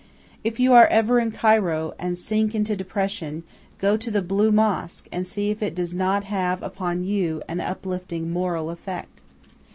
If you are ever in Cairo, and sink into depression, go to the "Blue Mosque" and see if it does not have upon you an uplifting moral effect.